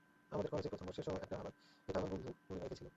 আমাদের কলেজের প্রথম বর্ষের সময় এটা আমার বন্ধু পূর্ণিমা একেছিল।